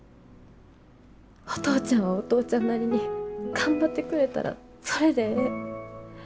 お父ちゃんはお父ちゃんなりに頑張ってくれたらそれでええ。